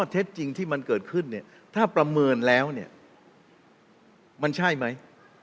เท็จจริงที่มันเกิดขึ้นเนี่ยถ้าประเมินแล้วเนี่ยมันใช่ไหม